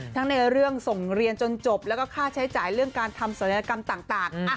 ทั้งในเรื่องส่งเรียนจนจบแล้วก็ค่าใช้จ่ายเรื่องการทำศัลยกรรมต่าง